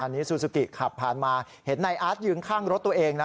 อันนี้ซูซูกิขับผ่านมาเห็นนายอาร์ตยืนข้างรถตัวเองนะ